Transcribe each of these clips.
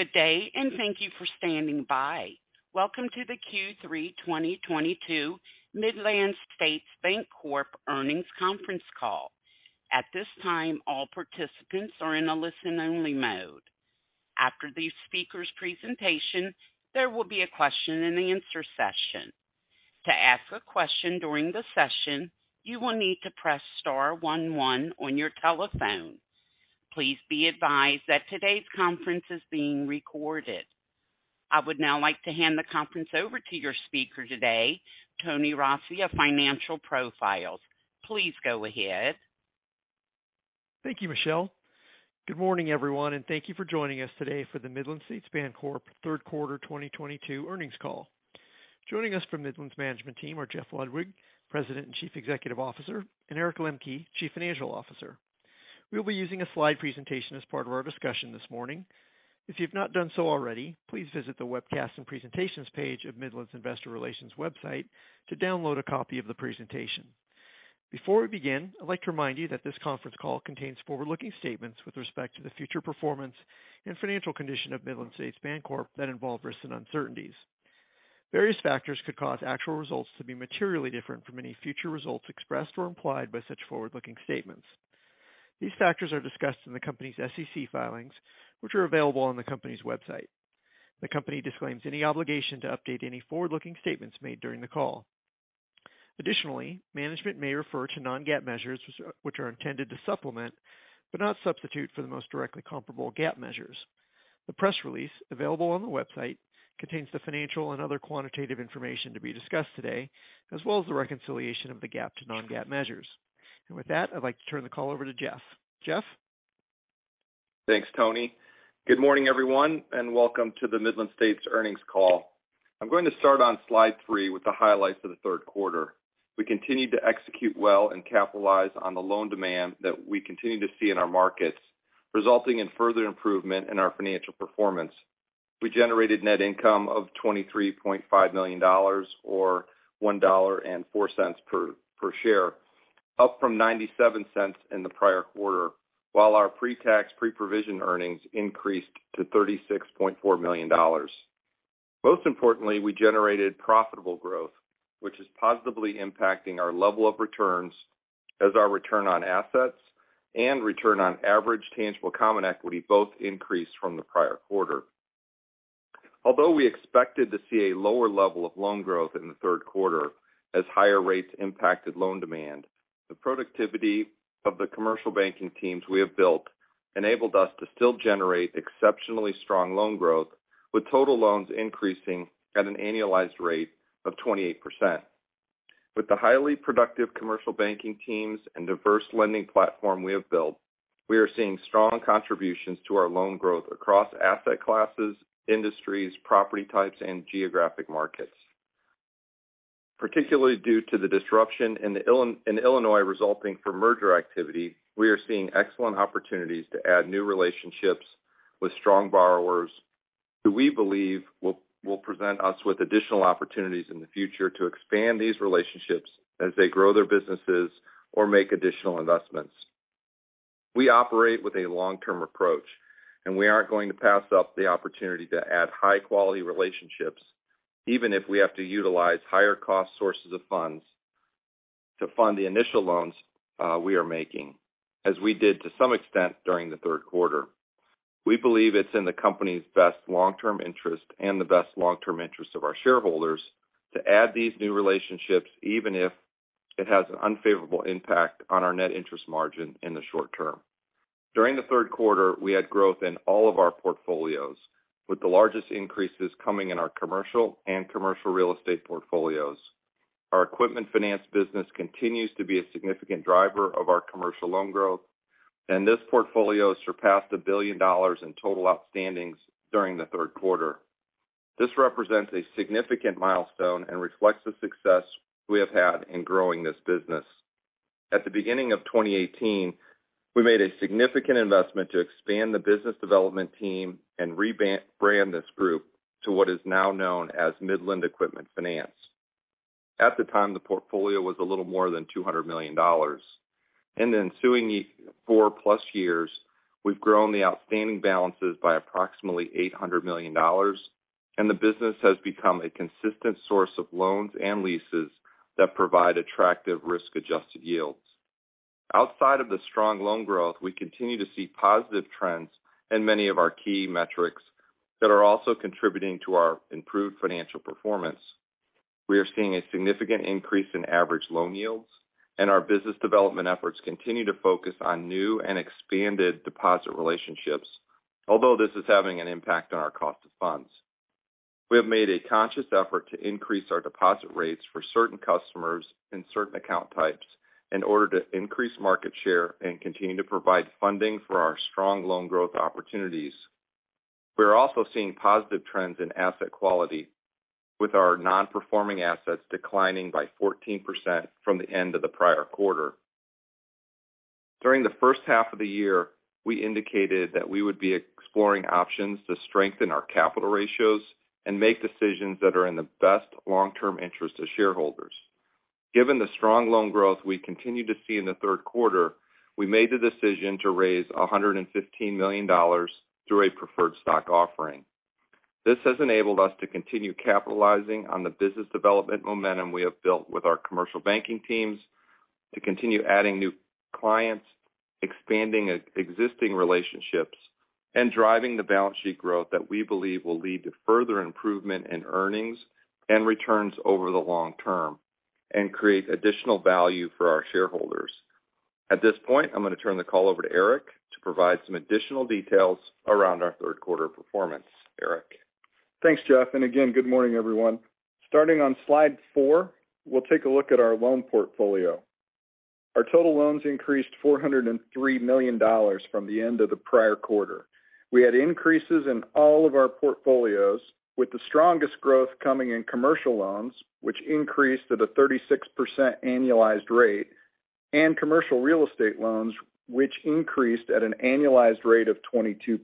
Good day, and thank you for standing by. Welcome to the Q3 2022 Midland States Bancorp earnings conference call. At this time, all participants are in a listen-only mode. After the speakers' presentation, there will be a question and answer session. To ask a question during the session, you will need to press star one one on your telephone. Please be advised that today's conference is being recorded. I would now like to hand the conference over to your speaker today, Tony Rossi of Financial Profiles. Please go ahead. Thank you, Michelle. Good morning, everyone, and thank you for joining us today for the Midland States Bancorp third quarter 2022 earnings call. Joining us from Midland's management team are Jeff Ludwig, President and Chief Executive Officer, and Eric Lemke, Chief Financial Officer. We'll be using a slide presentation as part of our discussion this morning. If you've not done so already, please visit the Webcasts and Presentations page of Midland's Investor Relations website to download a copy of the presentation. Before we begin, I'd like to remind you that this conference call contains forward-looking statements with respect to the future performance and financial condition of Midland States Bancorp that involve risks and uncertainties. Various factors could cause actual results to be materially different from any future results expressed or implied by such forward-looking statements. These factors are discussed in the company's SEC filings, which are available on the company's website. The company disclaims any obligation to update any forward-looking statements made during the call. Additionally, management may refer to non-GAAP measures which are intended to supplement, but not substitute, for the most directly comparable GAAP measures. The press release available on the website contains the financial and other quantitative information to be discussed today, as well as the reconciliation of the GAAP to non-GAAP measures. With that, I'd like to turn the call over to Jeff. Jeff? Thanks, Tony. Good morning, everyone, and welcome to the Midland States earnings call. I'm going to start on slide three with the highlights of the third quarter. We continued to execute well and capitalize on the loan demand that we continue to see in our markets, resulting in further improvement in our financial performance. We generated net income of $23.5 million, or $1.04 per share, up from $0.97 in the prior quarter, while our pre-tax, pre-provision earnings increased to $36.4 million. Most importantly, we generated profitable growth, which is positively impacting our level of returns as our return on assets and return on average tangible common equity both increased from the prior quarter. Although we expected to see a lower level of loan growth in the third quarter as higher rates impacted loan demand, the productivity of the commercial banking teams we have built enabled us to still generate exceptionally strong loan growth, with total loans increasing at an annualized rate of 28%. With the highly productive commercial banking teams and diverse lending platform we have built, we are seeing strong contributions to our loan growth across asset classes, industries, property types, and geographic markets. Particularly due to the disruption in Illinois resulting from merger activity, we are seeing excellent opportunities to add new relationships with strong borrowers who we believe will present us with additional opportunities in the future to expand these relationships as they grow their businesses or make additional investments. We operate with a long-term approach, and we aren't going to pass up the opportunity to add high-quality relationships, even if we have to utilize higher-cost sources of funds to fund the initial loans we are making, as we did to some extent during the third quarter. We believe it's in the company's best long-term interest and the best long-term interest of our shareholders to add these new relationships, even if it has an unfavorable impact on our net interest margin in the short term. During the third quarter, we had growth in all of our portfolios, with the largest increases coming in our commercial and commercial real estate portfolios. Our equipment finance business continues to be a significant driver of our commercial loan growth, and this portfolio surpassed $1 billion in total outstandings during the third quarter. This represents a significant milestone and reflects the success we have had in growing this business. At the beginning of 2018, we made a significant investment to expand the business development team and rebrand this group to what is now known as Midland Equipment Finance. At the time, the portfolio was a little more than $200 million. In the ensuing four plus years, we've grown the outstanding balances by approximately $800 million, and the business has become a consistent source of loans and leases that provide attractive risk-adjusted yields. Outside of the strong loan growth, we continue to see positive trends in many of our key metrics that are also contributing to our improved financial performance. We are seeing a significant increase in average loan yields, and our business development efforts continue to focus on new and expanded deposit relationships, although this is having an impact on our cost of funds. We have made a conscious effort to increase our deposit rates for certain customers and certain account types in order to increase market share and continue to provide funding for our strong loan growth opportunities. We are also seeing positive trends in asset quality, with our non-performing assets declining by 14% from the end of the prior quarter. During the first half of the year, we indicated that we would be exploring options to strengthen our capital ratios and make decisions that are in the best long-term interest of shareholders. Given the strong loan growth we continue to see in the third quarter, we made the decision to raise $115 million through a preferred stock offering. This has enabled us to continue capitalizing on the business development momentum we have built with our commercial banking teams to continue adding new clients, expanding existing relationships, and driving the balance sheet growth that we believe will lead to further improvement in earnings and returns over the long term and create additional value for our shareholders. At this point, I'm gonna turn the call over to Eric to provide some additional details around our third quarter performance. Eric? Thanks, Jeff. Again, good morning, everyone. Starting on slide four, we'll take a look at our loan portfolio. Our total loans increased $403 million from the end of the prior quarter. We had increases in all of our portfolios, with the strongest growth coming in commercial loans, which increased at a 36% annualized rate, and commercial real estate loans, which increased at an annualized rate of 22%.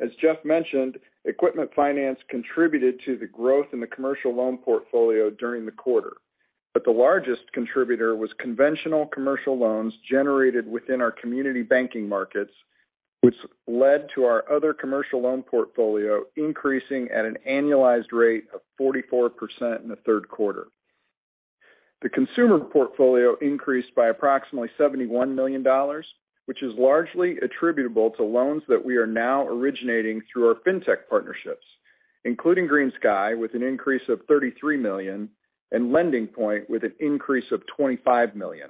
As Jeff mentioned, equipment finance contributed to the growth in the commercial loan portfolio during the quarter. The largest contributor was conventional commercial loans generated within our community banking markets, which led to our other commercial loan portfolio increasing at an annualized rate of 44% in the third quarter. The consumer portfolio increased by approximately $71 million, which is largely attributable to loans that we are now originating through our fintech partnerships, including GreenSky, with an increase of $33 million, and LendingPoint with an increase of $25 million.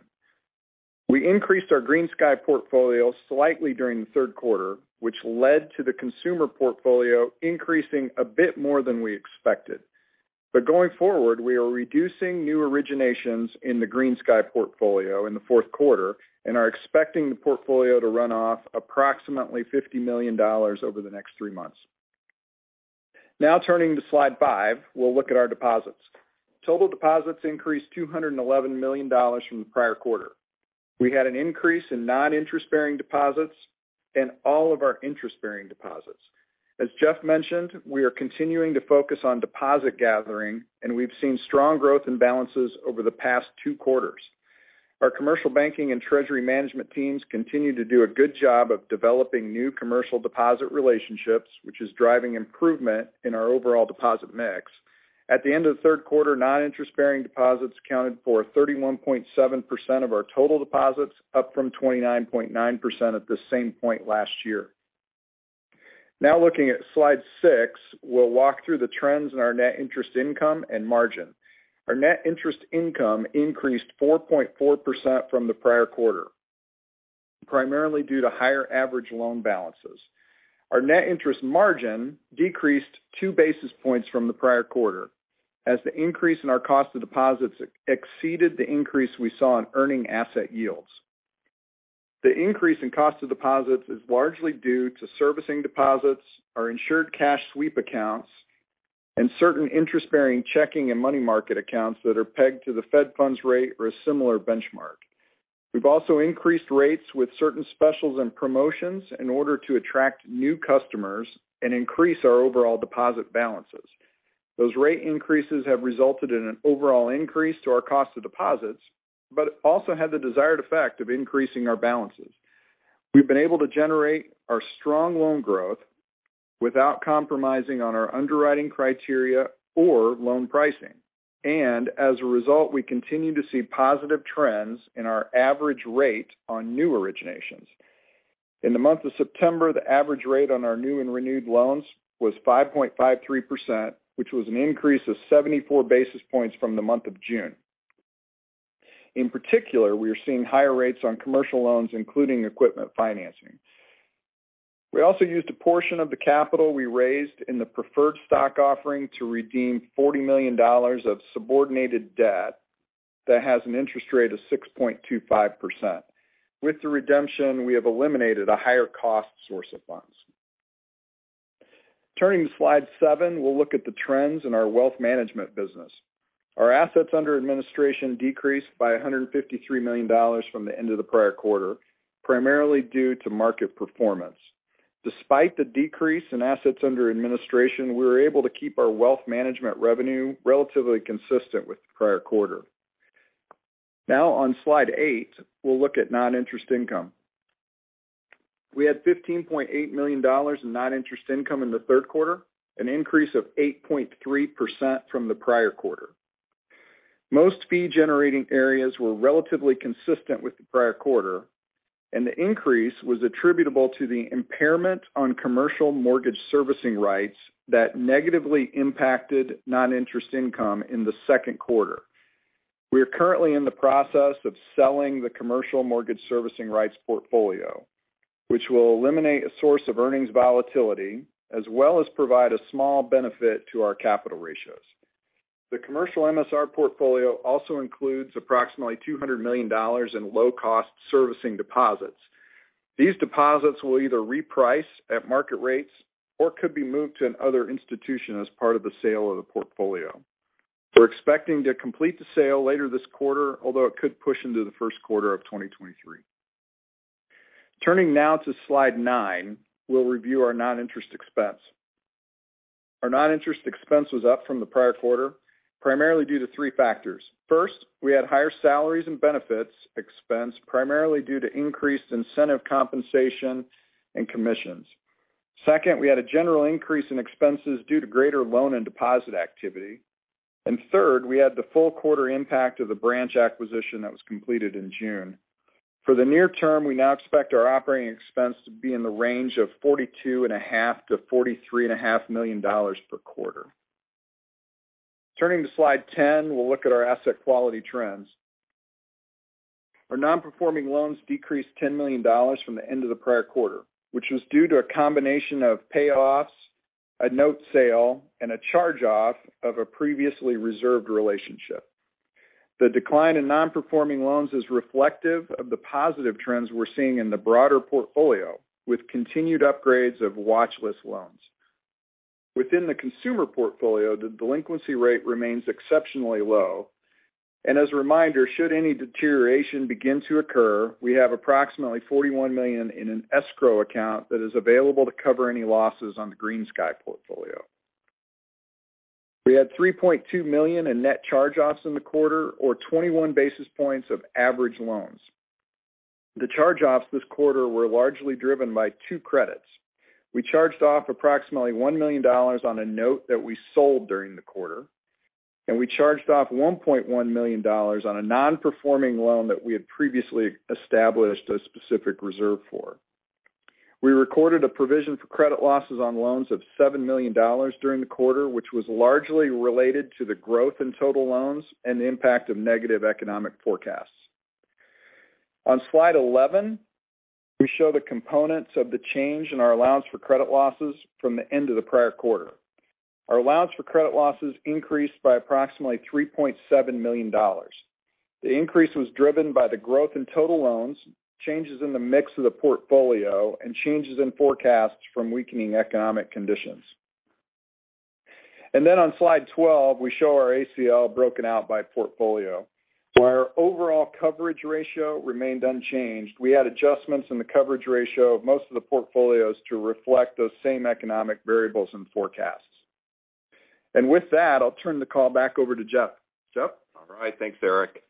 We increased our GreenSky portfolio slightly during the third quarter, which led to the consumer portfolio increasing a bit more than we expected. Going forward, we are reducing new originations in the GreenSky portfolio in the fourth quarter and are expecting the portfolio to run off approximately $50 million over the next three months. Now turning to slide five, we'll look at our deposits. Total deposits increased $211 million from the prior quarter. We had an increase in non-interest-bearing deposits and all of our interest-bearing deposits. As Jeff mentioned, we are continuing to focus on deposit gathering, and we've seen strong growth in balances over the past two quarters. Our commercial banking and treasury management teams continue to do a good job of developing new commercial deposit relationships, which is driving improvement in our overall deposit mix. At the end of the third quarter, non-interest-bearing deposits accounted for 31.7% of our total deposits, up from 29.9% at the same point last year. Now looking at slide 6, we'll walk through the trends in our net interest income and margin. Our net interest income increased 4.4% from the prior quarter, primarily due to higher average loan balances. Our net interest margin decreased 2 basis points from the prior quarter as the increase in our cost of deposits exceeded the increase we saw in earning asset yields. The increase in cost of deposits is largely due to servicing deposits, our Insured Cash Sweep accounts, and certain interest-bearing checking and money market accounts that are pegged to the Fed funds rate or a similar benchmark. We've also increased rates with certain specials and promotions in order to attract new customers and increase our overall deposit balances. Those rate increases have resulted in an overall increase to our cost of deposits, but also had the desired effect of increasing our balances. We've been able to generate our strong loan growth without compromising on our underwriting criteria or loan pricing. As a result, we continue to see positive trends in our average rate on new originations. In the month of September, the average rate on our new and renewed loans was 5.53%, which was an increase of 74 basis points from the month of June. In particular, we are seeing higher rates on commercial loans, including equipment financing. We also used a portion of the capital we raised in the preferred stock offering to redeem $40 million of subordinated debt that has an interest rate of 6.25%. With the redemption, we have eliminated a higher cost source of funds. Turning to slide seven, we'll look at the trends in our wealth management business. Our assets under administration decreased by $153 million from the end of the prior quarter, primarily due to market performance. Despite the decrease in assets under administration, we were able to keep our wealth management revenue relatively consistent with the prior quarter. Now on slide eight, we'll look at non-interest income. We had $15.8 million in non-interest income in the third quarter, an increase of 8.3% from the prior quarter. Most fee-generating areas were relatively consistent with the prior quarter, and the increase was attributable to the impairment on commercial mortgage servicing rights that negatively impacted non-interest income in the second quarter. We are currently in the process of selling the commercial mortgage servicing rights portfolio, which will eliminate a source of earnings volatility, as well as provide a small benefit to our capital ratios. The commercial MSR portfolio also includes approximately $200 million in low-cost servicing deposits. These deposits will either reprice at market rates or could be moved to another institution as part of the sale of the portfolio. We're expecting to complete the sale later this quarter, although it could push into the first quarter of 2023. Turning now to slide nine, we'll review our non-interest expense. Our non-interest expense was up from the prior quarter, primarily due to three factors. First, we had higher salaries and benefits expense primarily due to increased incentive compensation and commissions. Second, we had a general increase in expenses due to greater loan and deposit activity. Third, we had the full quarter impact of the branch acquisition that was completed in June. For the near term, we now expect our operating expense to be in the range of $42.5 million-$43.5 million per quarter. Turning to slide 10, we'll look at our asset quality trends. Our nonperforming loans decreased $10 million from the end of the prior quarter, which was due to a combination of payoffs, a note sale, and a charge-off of a previously reserved relationship. The decline in nonperforming loans is reflective of the positive trends we're seeing in the broader portfolio, with continued upgrades of watch list loans. Within the consumer portfolio, the delinquency rate remains exceptionally low. As a reminder, should any deterioration begin to occur, we have approximately $41 million in an escrow account that is available to cover any losses on the GreenSky portfolio. We had $3.2 million in net charge-offs in the quarter or 21 basis points of average loans. The charge-offs this quarter were largely driven by two credits. We charged off approximately $1 million on a note that we sold during the quarter, and we charged off $1.1 million on a nonperforming loan that we had previously established a specific reserve for. We recorded a provision for credit losses on loans of $7 million during the quarter, which was largely related to the growth in total loans and the impact of negative economic forecasts. On slide 11, we show the components of the change in our allowance for credit losses from the end of the prior quarter. Our allowance for credit losses increased by approximately $3.7 million. The increase was driven by the growth in total loans, changes in the mix of the portfolio, and changes in forecasts from weakening economic conditions. Then on slide 12, we show our ACL broken out by portfolio, where our overall coverage ratio remained unchanged. We had adjustments in the coverage ratio of most of the portfolios to reflect those same economic variables and forecasts. With that, I'll turn the call back over to Jeff. Jeff? All right. Thanks, Eric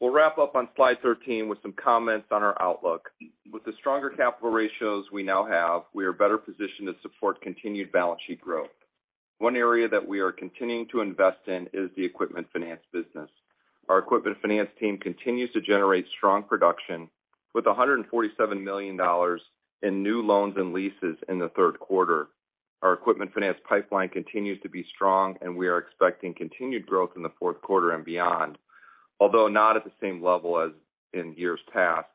Lemke. We'll wrap up on slide 13 with some comments on our outlook. With the stronger capital ratios we now have, we are better positioned to support continued balance sheet growth. One area that we are continuing to invest in is the equipment finance business. Our equipment finance team continues to generate strong production with $147 million in new loans and leases in the third quarter. Our equipment finance pipeline continues to be strong, and we are expecting continued growth in the fourth quarter and beyond, although not at the same level as in years past.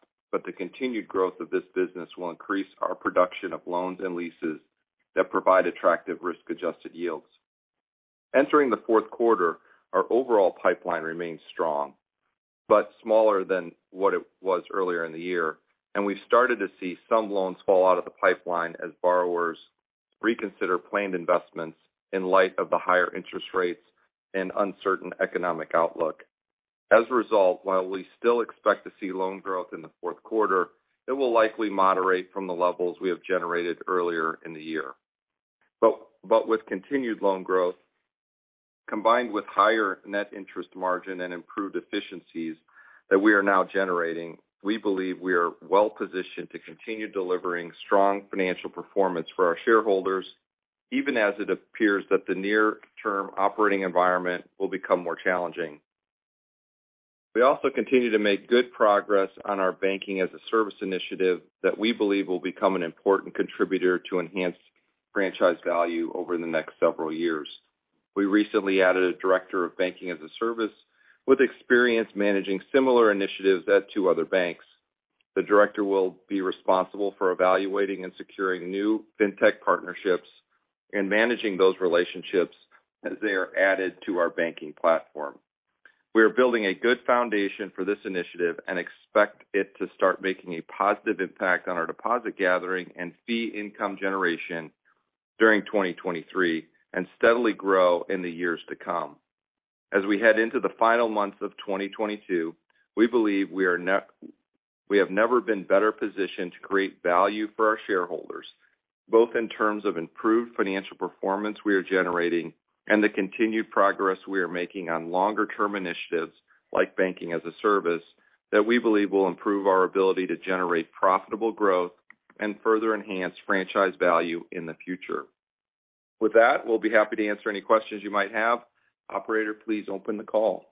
The continued growth of this business will increase our production of loans and leases that provide attractive risk-adjusted yields. Entering the fourth quarter, our overall pipeline remains strong, but smaller than what it was earlier in the year, and we've started to see some loans fall out of the pipeline as borrowers reconsider planned investments in light of the higher interest rates and uncertain economic outlook. As a result, while we still expect to see loan growth in the fourth quarter, it will likely moderate from the levels we have generated earlier in the year. With continued loan growth, combined with higher net interest margin and improved efficiencies that we are now generating, we believe we are well positioned to continue delivering strong financial performance for our shareholders, even as it appears that the near-term operating environment will become more challenging. We also continue to make good progress on our Banking-as-a-Service initiative that we believe will become an important contributor to enhanced franchise value over the next several years. We recently added a director of Banking-as-a-Service with experience managing similar initiatives at two other banks. The director will be responsible for evaluating and securing new fintech partnerships and managing those relationships as they are added to our banking platform. We are building a good foundation for this initiative and expect it to start making a positive impact on our deposit gathering and fee income generation during 2023 and steadily grow in the years to come. As we head into the final months of 2022, we believe we have never been better positioned to create value for our shareholders, both in terms of improved financial performance we are generating and the continued progress we are making on longer-term initiatives like banking-as-a-service that we believe will improve our ability to generate profitable growth and further enhance franchise value in the future. With that, we'll be happy to answer any questions you might have. Operator, please open the call.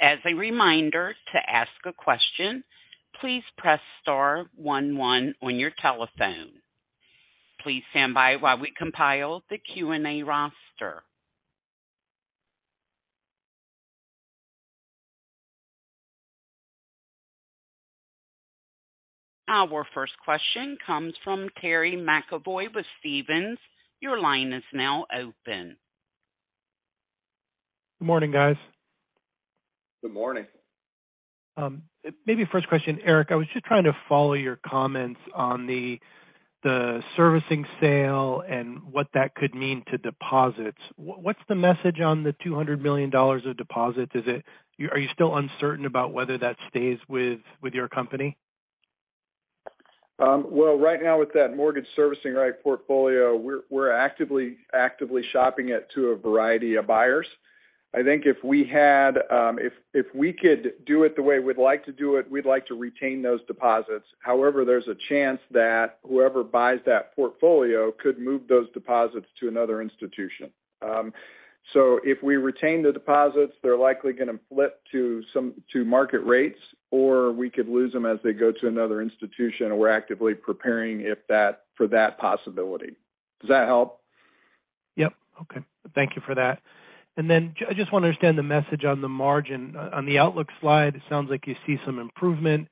As a reminder, to ask a question, please press star one one on your telephone. Please stand by while we compile the Q&A roster. Our first question comes from Terry McEvoy with Stephens. Your line is now open. Good morning, guys. Good morning. Maybe first question, Eric. I was just trying to follow your comments on the servicing sale and what that could mean to deposits. What's the message on the $200 million of deposit? Are you still uncertain about whether that stays with your company? Well, right now with that mortgage servicing right portfolio, we're actively shopping it to a variety of buyers. I think if we could do it the way we'd like to do it, we'd like to retain those deposits. However, there's a chance that whoever buys that portfolio could move those deposits to another institution. If we retain the deposits, they're likely gonna flip to market rates, or we could lose them as they go to another institution. We're actively preparing for that possibility. Does that help? Yep. Okay. Thank you for that. I just wanna understand the message on the margin. On the outlook slide, it sounds like you see some improvement,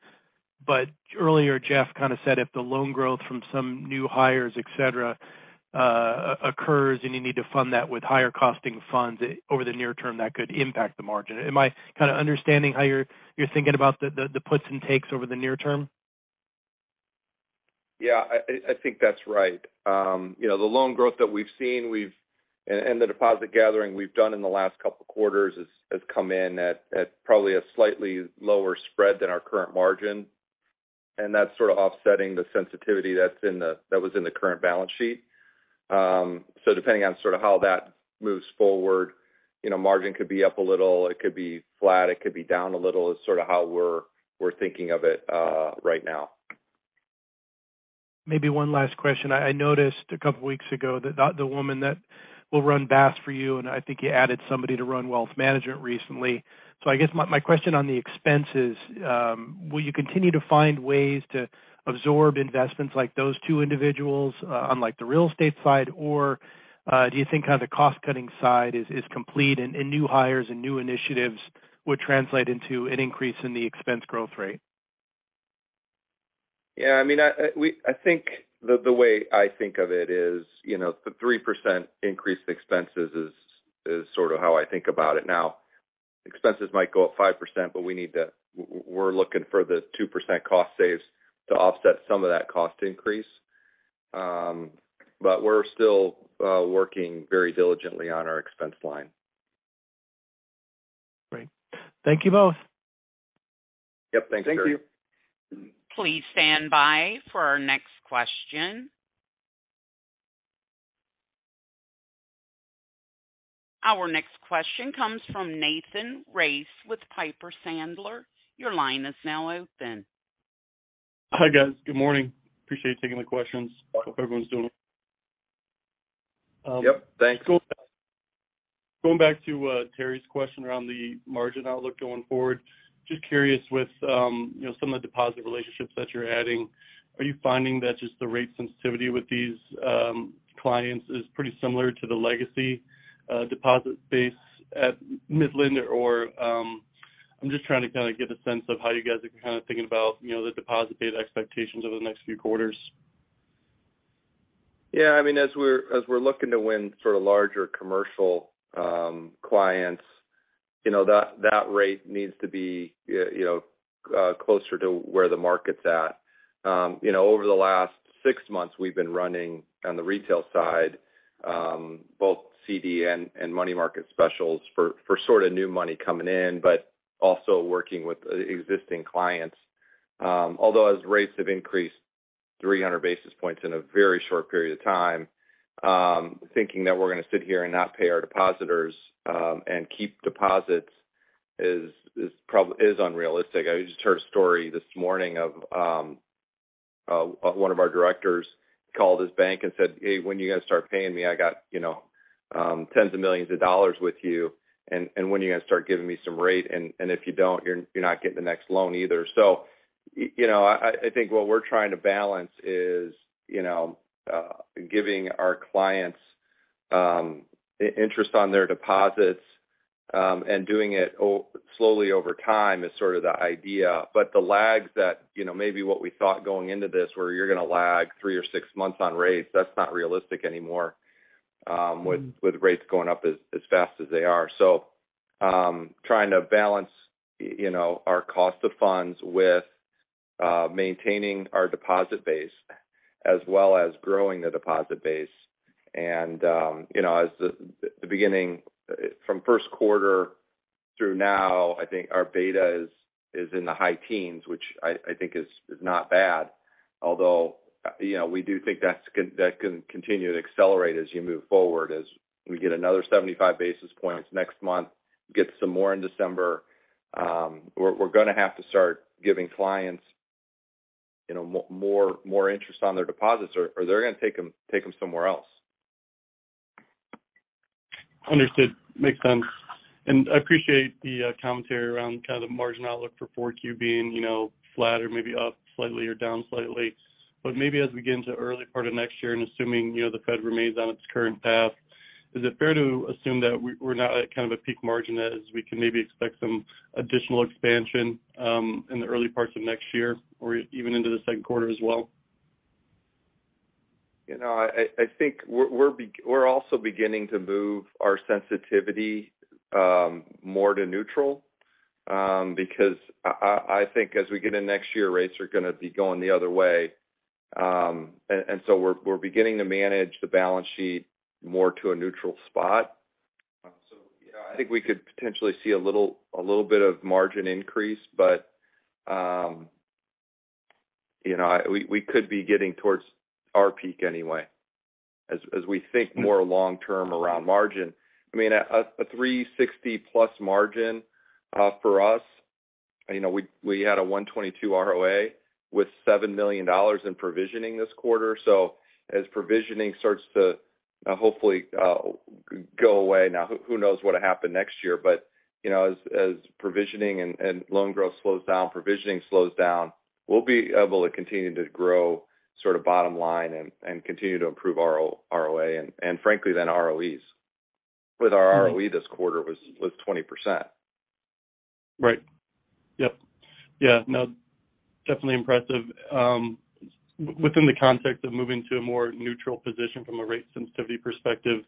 but earlier, Jeff kind of said if the loan growth from some new hires, et cetera, occurs, and you need to fund that with higher costing funds over the near term, that could impact the margin. Am I kind of understanding how you're thinking about the puts and takes over the near term? Yeah. I think that's right. You know, the loan growth that we've seen and the deposit gathering we've done in the last couple of quarters has come in at probably a slightly lower spread than our current margin, and that's sort of offsetting the sensitivity that was in the current balance sheet. Depending on sort of how that moves forward, you know, margin could be up a little, it could be flat, it could be down a little, is sort of how we're thinking of it right now. Maybe one last question. I noticed a couple weeks ago that the woman that will run BaaS for you, and I think you added somebody to run wealth management recently. I guess my question on the expense is, will you continue to find ways to absorb investments like those two individuals, unlike the real estate side? Or, do you think kind of the cost-cutting side is complete and new hires and new initiatives would translate into an increase in the expense growth rate? Yeah, I mean, I think the way I think of it is, you know, the 3% increase expenses is sort of how I think about it now. Expenses might go up 5%, but we're looking for the 2% cost saves to offset some of that cost increase. But we're still working very diligently on our expense line. Great. Thank you both. Yep. Thanks, Terry. Thank you. Please stand by for our next question. Our next question comes from Nathan Race with Piper Sandler. Your line is now open. Hi, guys. Good morning. Appreciate you taking the questions. Hope everyone's doing well. Yep. Thanks. Going back to Terry's question around the margin outlook going forward. Just curious with you know some of the deposit relationships that you're adding, are you finding that just the rate sensitivity with these clients is pretty similar to the legacy deposit base at Midland? Or I'm just trying to kind of get a sense of how you guys are kind of thinking about you know the deposit base expectations over the next few quarters. Yeah, I mean, as we're looking to win sort of larger commercial clients, you know, that rate needs to be, you know, closer to where the market's at. You know, over the last six months, we've been running on the retail side, both CD and money market specials for sort of new money coming in, but also working with existing clients. Although as rates have increased 300 basis points in a very short period of time, thinking that we're gonna sit here and not pay our depositors and keep deposits is unrealistic. I just heard a story this morning of one of our directors called his bank and said, "Hey, when are you gonna start paying me? I got, you know, $10s of millions with you. And when are you gonna start giving me some rate? And if you don't, you're not getting the next loan either." You know, I think what we're trying to balance is, you know, giving our clients interest on their deposits and doing it slowly over time is sort of the idea. The lags that, you know, maybe what we thought going into this, where you're gonna lag three or six months on rates, that's not realistic anymore, with rates going up as fast as they are. Trying to balance, you know, our cost of funds with maintaining our deposit base as well as growing The deposit base. You know, as the beginning from first quarter through now, I think our beta is in the high teens, which I think is not bad. Although, you know, we do think that can continue to accelerate as you move forward, as we get another 75 basis points next month, get some more in December. We're gonna have to start giving clients, you know, more interest on their deposits or they're gonna take them somewhere else. Understood. Makes sense. I appreciate the commentary around kind of the margin outlook for 4Q being, you know, flat or maybe up slightly or down slightly. Maybe as we get into early part of next year and assuming, you know, the Fed remains on its current path, is it fair to assume that we're now at kind of a peak margin as we can maybe expect some additional expansion in the early parts of next year or even into the second quarter as well? You know, I think we're also beginning to move our sensitivity more to neutral, because I think as we get in next year, rates are gonna be going the other way. We're beginning to manage the balance sheet more to a neutral spot. Yeah, I think we could potentially see a little bit of margin increase, but you know, we could be getting towards our peak anyway as we think more long-term around margin. I mean, a 3.60+ margin for us, you know, we had a 1.22% ROA with $7 million in provisioning this quarter. As provisioning starts to hopefully go away now, who knows what'll happen next year. You know, as provisioning and loan growth slows down, we'll be able to continue to grow sort of bottom line and continue to improve our ROA and frankly then ROEs. With our ROE this quarter was 20%. Right. Yep. Yeah. No, definitely impressive. Within the context of moving to a more neutral position from a rate sensitivity perspective,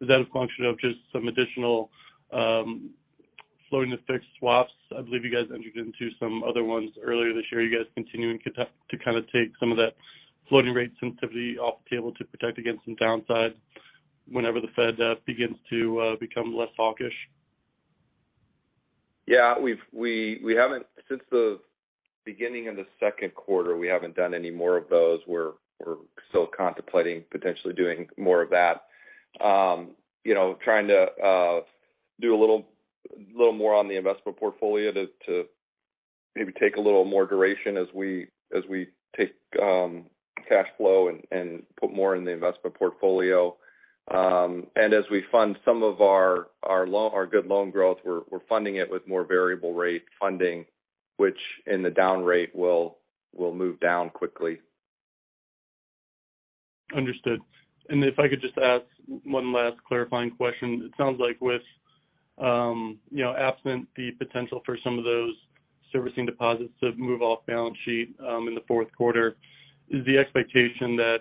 is that a function of just some additional floating to fixed swaps? I believe you guys entered into some other ones earlier this year. Are you guys continuing to kind of take some of that floating rate sensitivity off the table to protect against some downside whenever the Fed begins to become less hawkish? Yeah. We haven't done any more of those since the beginning of the second quarter. We're still contemplating potentially doing more of that. You know, trying to do a little more on the investment portfolio to maybe take a little more duration as we take cash flow and put more in the investment portfolio. As we fund some of our good loan growth, we're funding it with more variable rate funding, which in the down rate will move down quickly. Understood. If I could just ask one last clarifying question. It sounds like with you know, absent the potential for some of those servicing deposits to move off balance sheet, in the fourth quarter, is the expectation that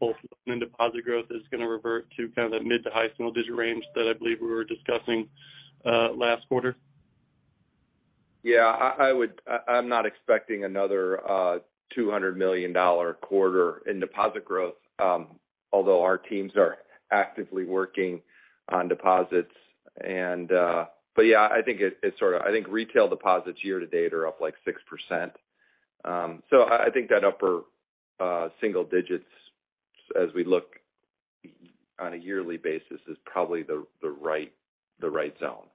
both loan and deposit growth is gonna revert to kind of that mid to high single-digit range that I believe we were discussing, last quarter? Yeah. I'm not expecting another $200 million quarter in deposit growth, although our teams are actively working on deposits and yeah, I think retail deposits year-to-date are up, like, 6%. I think that upper single digits as we look on a yearly basis is probably the right zone.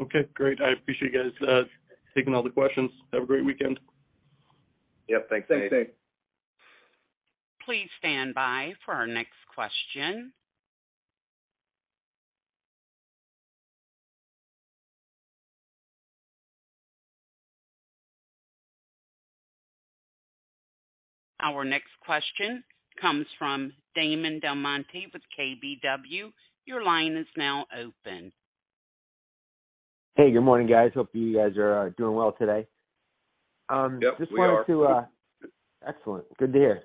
Okay, great. I appreciate you guys taking all the questions. Have a great weekend. Yep. Thanks, Nate. Thanks, Nate. Please stand by for our next question. Our next question comes from Damon DelMonte with KBW. Your line is now open. Hey, good morning, guys. Hope you guys are doing well today. Yep, we are. Excellent. Good to hear.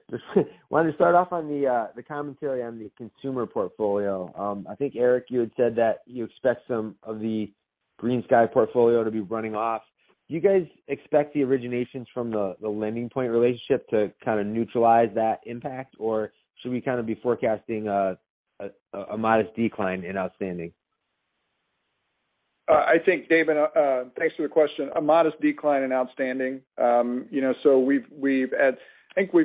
Wanted to start off on the commentary on the consumer portfolio. I think, Eric, you had said that you expect some of the GreenSky portfolio to be running off. Do you guys expect the originations from the LendingPoint relationship to kind of neutralize that impact, or should we kind of be forecasting a modest decline in outstanding? I think, Damon, thanks for the question. A modest decline in outstanding. You know, we've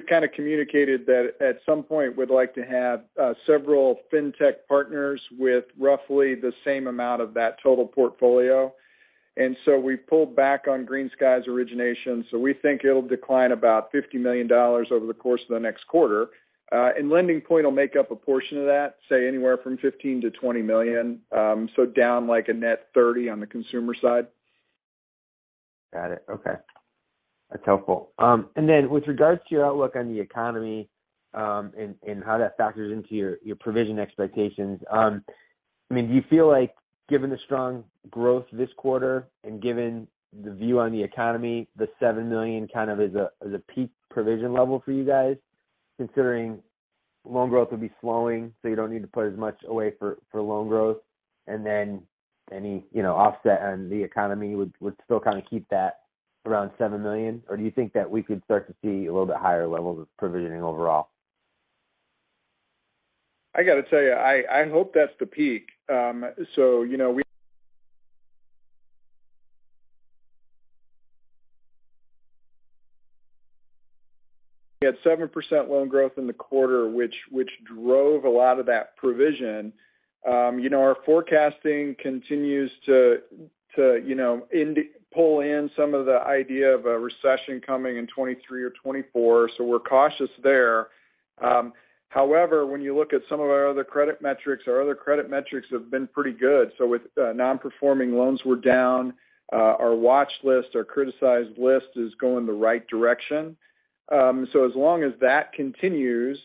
kind of communicated that at some point we'd like to have several fintech partners with roughly the same amount of that total portfolio. We pulled back on GreenSky's origination. We think it'll decline about $50 million over the course of the next quarter. LendingPoint will make up a portion of that, say anywhere from $15 million-$20 million. Down like a net $30 million on the consumer side. Got it. Okay. That's helpful. And then with regards to your outlook on the economy, and how that factors into your provision expectations, I mean, do you feel like given the strong growth this quarter and given the view on the economy, the $7 million kind of is a peak provision level for you guys, considering loan growth would be slowing, so you don't need to put as much away for loan growth and then any, you know, offset on the economy would still kind of keep that around $7 million? Or do you think that we could start to see a little bit higher levels of provisioning overall? I gotta tell you, I hope that's the peak. You know, we had 7% loan growth in the quarter, which drove a lot of that provision. You know, our forecasting continues to pull in some of the idea of a recession coming in 2023 or 2024, so we're cautious there. However, when you look at some of our other credit metrics, our other credit metrics have been pretty good. With non-performing loans, we're down. Our watch list, our criticized list is going the right direction. As long as that continues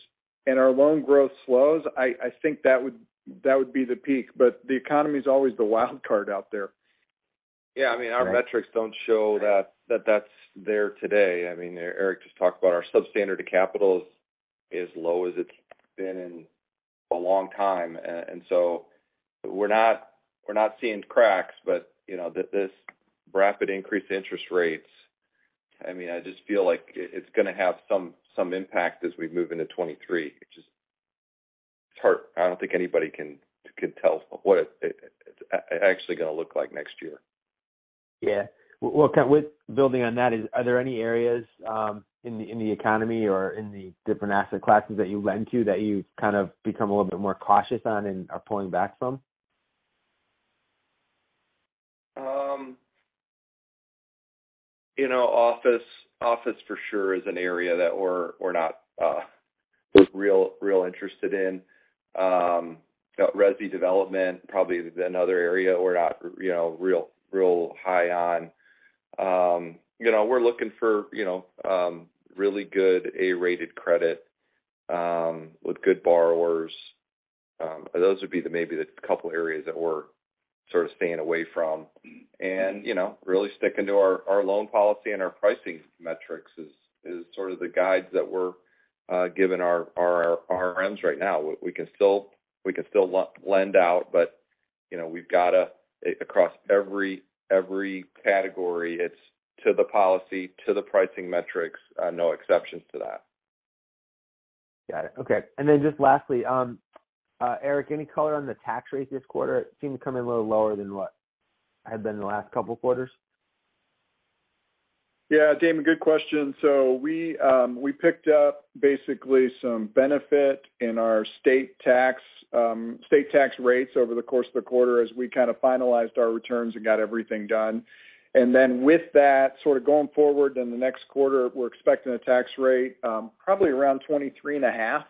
and our loan growth slows, I think that would be the peak. The economy is always the wild card out there. Yeah, I mean, our metrics don't show that that's there today. I mean, Eric just talked about our substandard capital is low as it's been in a long time. We're not seeing cracks. You know, this rapid increase in interest rates, I mean, I just feel like it's gonna have some impact as we move into 2023. It's just hard. I don't think anybody can tell what it's actually gonna look like next year. Yeah. Well, with building on that, are there any areas in the economy or in the different asset classes that you lend to that you've kind of become a little bit more cautious on and are pulling back from? You know, office for sure is an area that we're not real interested in. You know, resi development probably is another area we're not real high on. You know, we're looking for really good A-rated credit with good borrowers. Those would be maybe the couple areas that we're sort of staying away from. You know, really sticking to our loan policy and our pricing metrics is sort of the guides that we're giving our RMs right now. We can still lend out, but you know, we've gotta across every category, it's to the policy, to the pricing metrics, no exceptions to that. Got it. Okay. Just lastly, Eric, any color on the tax rate this quarter? It seemed to come in a little lower than what had been in the last couple of quarters. Yeah, Damon, good question. We picked up basically some benefit in our state tax rates over the course of the quarter as we kind of finalized our returns and got everything done. With that, sort of going forward in the next quarter, we're expecting a tax rate probably around 23.5%.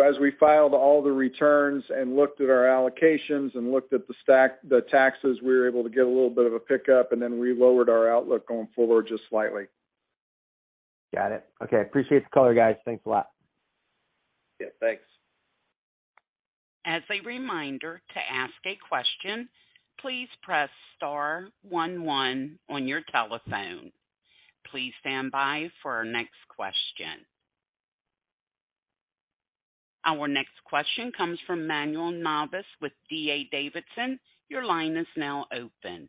As we filed all the returns and looked at our allocations and looked at the taxes, we were able to get a little bit of a pickup, and then we lowered our outlook going forward just slightly. Got it. Okay. Appreciate the color, guys. Thanks a lot. Yeah, thanks. As a reminder, to ask a question, please press star one one on your telephone. Please stand by for our next question. Our next question comes from Manuel Navas with D.A. Davidson. Your line is now open.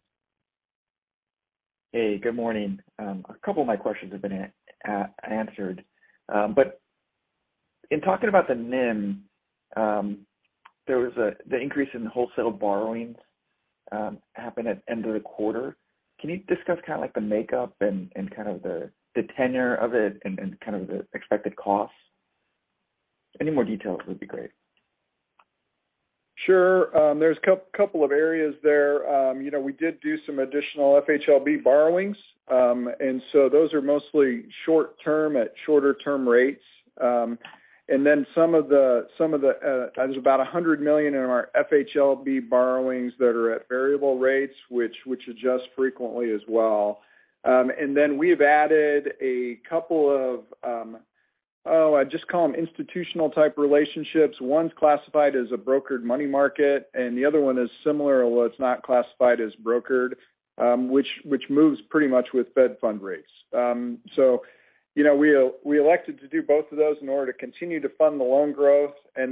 Hey, good morning. A couple of my questions have been answered. In talking about the NIM, there was the increase in wholesale borrowings happened at end of the quarter. Can you discuss kind of like the makeup and kind of the tenor of it and kind of the expected costs? Any more details would be great. Sure. There's a couple of areas there. You know, we did do some additional FHLB borrowings. Those are mostly short-term at shorter-term rates. Some of the, there's about $100 million in our FHLB borrowings that are at variable rates, which adjust frequently as well. We've added a couple of. Oh, I just call them institutional-type relationships. One's classified as a brokered money market, and the other one is similar, although it's not classified as brokered, which moves pretty much with federal funds rate. You know, we elected to do both of those in order to continue to fund the loan growth. As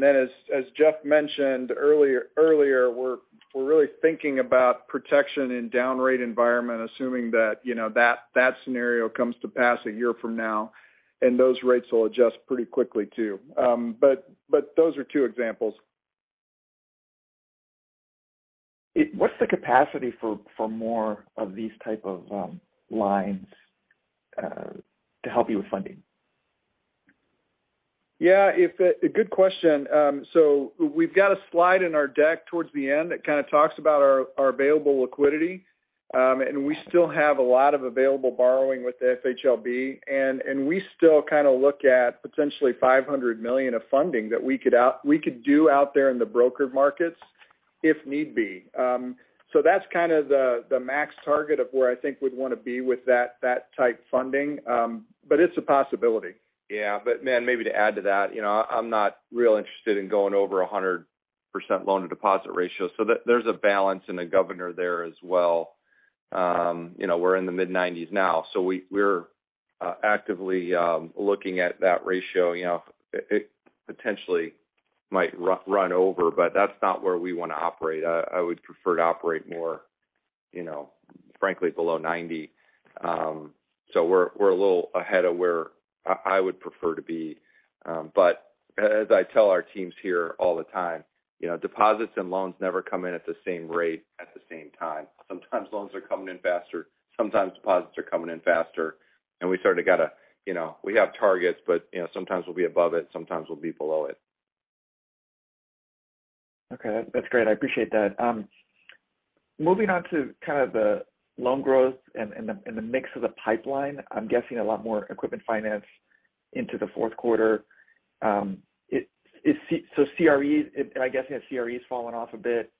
Jeff mentioned earlier, we're really thinking about protection in down rate environment, assuming that you know that scenario comes to pass a year from now, and those rates will adjust pretty quickly too. But those are two examples. What's the capacity for more of these type of lines to help you with funding? Good question. We've got a slide in our deck towards the end that kind of talks about our available liquidity. We still have a lot of available borrowing with the FHLB. We still kinda look at potentially $500 million of funding that we could do out there in the broker markets if need be. That's kind of the max target of where I think we'd wanna be with that type funding. It's a possibility. Manuel, maybe to add to that, you know, I'm not real interested in going over 100% loan to deposit ratio. There's a balance and a governor there as well. You know, we're in the mid-90s now, so we're actively looking at that ratio. You know, it potentially might run over, but that's not where we wanna operate. I would prefer to operate more, you know, frankly below 90%. We're a little ahead of where I would prefer to be. As I tell our teams here all the time, you know, deposits and loans never come in at the same rate at the same time. Sometimes loans are coming in faster, sometimes deposits are coming in faster. We sort of got to You know, we have targets, but, you know, sometimes we'll be above it, sometimes we'll be below it. Okay. That's great. I appreciate that. Moving on to kind of the loan growth and the mix of the pipeline. I'm guessing a lot more equipment finance into the fourth quarter. So CRE, I'm guessing that CRE is falling off a bit,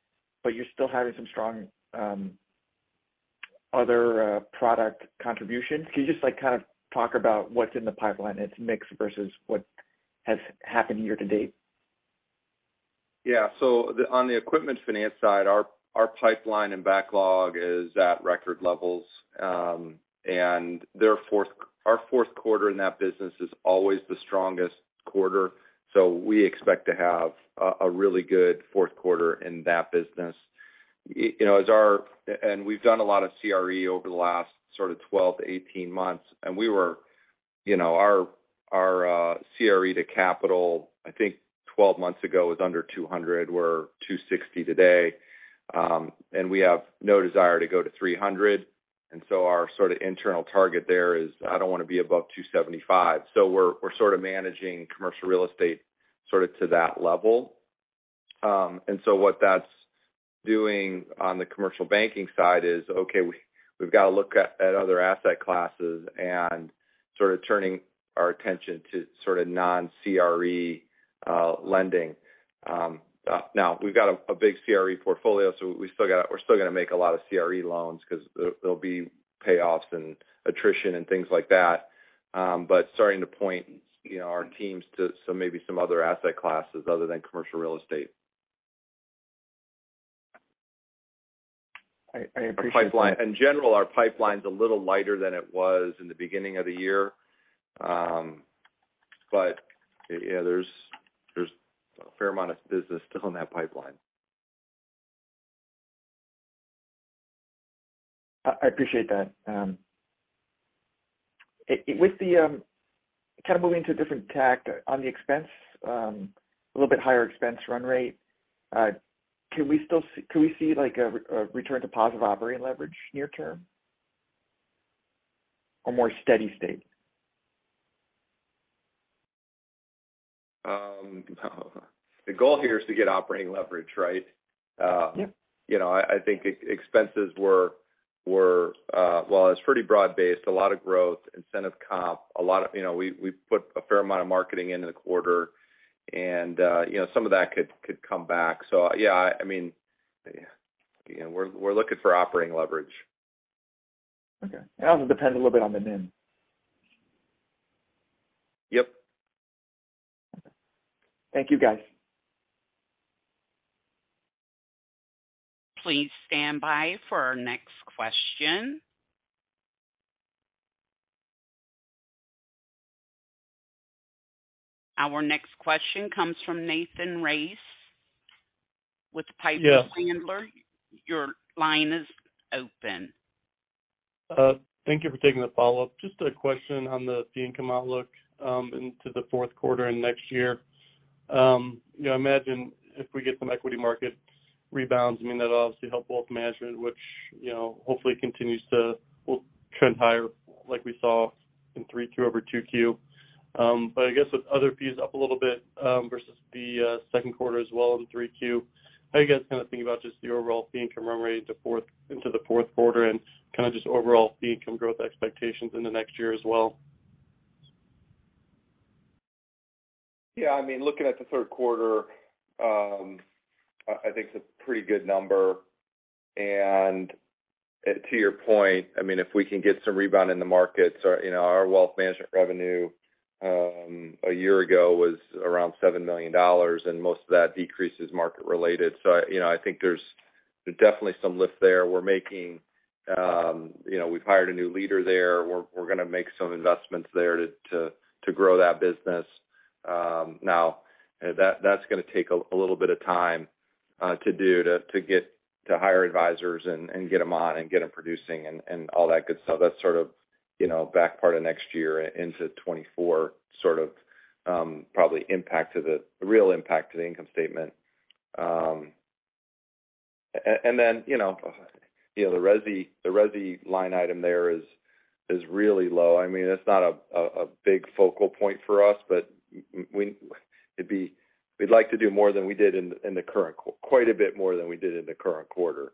but you're still having some strong other product contributions. Can you just, like, kind of talk about what's in the pipeline and its mix versus what has happened year to date? Yeah. On the equipment finance side, our pipeline and backlog is at record levels. Therefore, our fourth quarter in that business is always the strongest quarter. We expect to have a really good fourth quarter in that business. You know, we've done a lot of CRE over the last sort of 12-18 months, and we were, you know, our CRE to capital, I think 12 months ago was under 200. We're 260 today, and we have no desire to go to 300. Our sort of internal target there is I don't wanna be above 275. We're sort of managing commercial real estate sort of to that level. What that's doing on the commercial banking side is, okay, we've gotta look at other asset classes and sort of turning our attention to sort of non-CRE lending. Now we've got a big CRE portfolio, so we're still gonna make a lot of CRE loans 'cause there'll be payoffs and attrition and things like that. Starting to point, you know, our teams to so maybe some other asset classes other than commercial real estate. I appreciate that. Our pipeline. In general, our pipeline's a little lighter than it was in the beginning of the year. Yeah, there's a fair amount of business still in that pipeline. I appreciate that. With the kind of moving to a different tack on the expense, a little bit higher expense run rate, can we still see a return to positive operating leverage near term? A more steady state? The goal here is to get operating leverage, right? Yep. You know, I think expenses were well, it's pretty broad-based, a lot of growth, incentive comp. You know, we put a fair amount of marketing into the quarter and, you know, some of that could come back. Yeah, I mean, you know, we're looking for operating leverage. Okay. It also depends a little bit on the NIM. Yep. Okay. Thank you, guys. Please stand by for our next question. Our next question comes from Nathan Race with Piper Sandler. Yes. Your line is open. Thank you for taking the follow-up. Just a question on the fee income outlook into the fourth quarter and next year. You know, I imagine if we get some equity market rebounds, I mean, that'll obviously help wealth management, which, you know, hopefully will trend higher like we saw in 3Q over 2Q. But I guess with other fees up a little bit versus the second quarter as well in 3Q, how are you guys kind of thinking about just the overall fee income run rate into the fourth quarter and kind of just overall fee income growth expectations in the next year as well? Yeah, I mean, looking at the third quarter, I think it's a pretty good number. To your point, I mean, if we can get some rebound in the markets, our, you know, our wealth management revenue a year ago was around $7 million, and most of that decrease is market related. I, you know, I think there's definitely some lift there. We're making, you know, we've hired a new leader there. We're gonna make some investments there to grow that business. Now that's gonna take a little bit of time to do to get to hire advisors and get them on and get them producing and all that good stuff. That's sort of, you know, back part of next year into 2024 sort of, probably impact to the real impact to the income statement. And then, you know, the resi line item there is really low. I mean, it's not a big focal point for us, but we'd like to do quite a bit more than we did in the current quarter.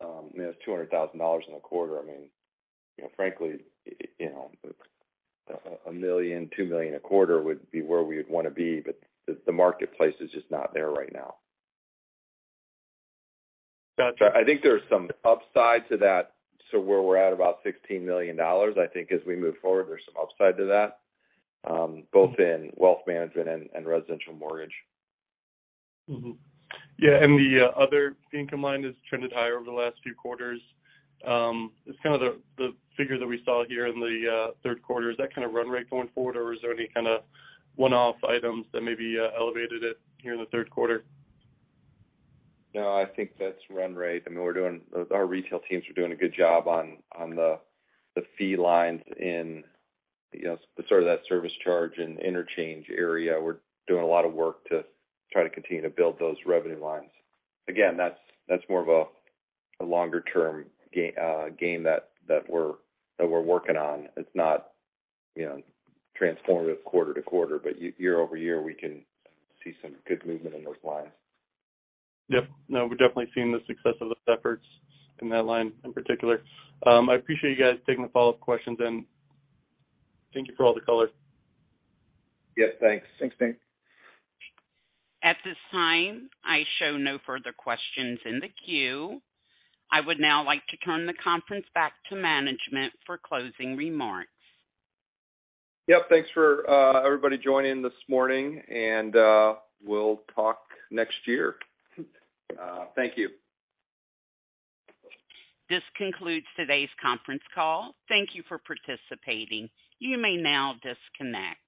You know, it's $200,000 in a quarter. I mean, you know, frankly, you know, a $1 million, $2 million a quarter would be where we would wanna be, but the marketplace is just not there right now. Gotcha. I think there's some upside to that. Where we're at about $16 million, I think as we move forward, there's some upside to that, both in wealth management and residential mortgage. Yeah, the other income line has trended higher over the last few quarters. It's kind of the figure that we saw here in the third quarter. Is that kind of run rate going forward, or is there any kind of one-off items that maybe elevated it here in the third quarter? No, I think that's run rate. I mean, we're doing our retail teams are doing a good job on the fee lines in, you know, sort of that service charge and interchange area. We're doing a lot of work to try to continue to build those revenue lines. Again, that's more of a longer term game that we're working on. It's not, you know, transformative quarter-to-quarter, but year-over-year, we can see some good movement in those lines. Yep. No, we're definitely seeing the success of those efforts in that line in particular. I appreciate you guys taking the follow-up questions, and thank you for all the color. Yep, thanks. Thanks, Nathan. At this time, I show no further questions in the queue. I would now like to turn the conference back to management for closing remarks. Yep. Thanks for everybody joining this morning, and we'll talk next year. Thank you. This concludes today's conference call. Thank you for participating. You may now disconnect.